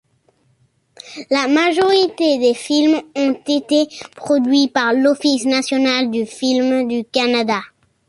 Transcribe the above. La majorité des films ont été produits par l'Office national du film du Canada.